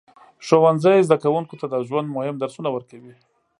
ښوونځی زده کوونکو ته د ژوند مهم درسونه ورکوي.